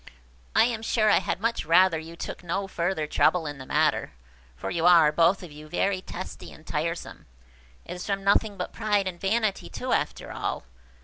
I am sure I had much rather you took no further trouble in the matter; for you are, both of you, very testy and tiresome. It is from nothing but pride and vanity, too, after all.